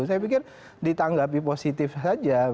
saya pikir ditanggapi positif saja